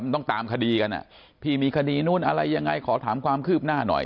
ต้องตามคดีกันพี่มีคดีนู้นอะไรยังไงขอถามความคืบหน้าหน่อย